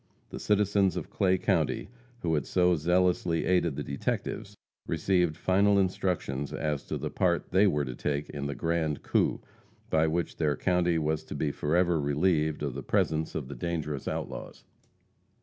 The citizens of Clay county, who had so zealously aided the detectives, received final instructions as to the part they were to take in the grand coup, by which their county was to be forever relieved of the presence of the dangerous outlaws.